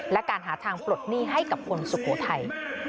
และการหาทางปลดหนี้ให้กับคนสุโขทัย